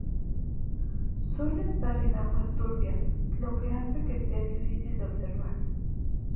Suele estar en aguas turbias, lo que hace que sea difícil de observar.